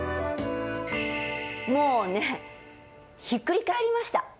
もうねひっくり返りました。